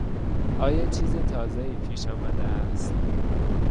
آیا چیز تازهای پیشآمده است؟